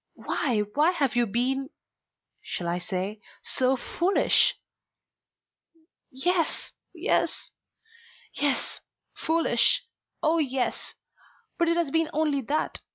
Why, why have you been, shall I say so foolish?" "Yes. Yes. Yes; foolish; oh, yes! But it has been only that.